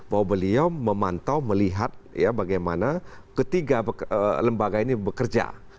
bahwa beliau memantau melihat bagaimana ketiga lembaga ini bekerja